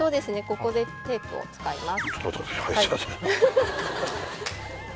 ここでテープを使います